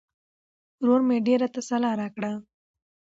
ورور مې ډېره تسلا راکړه.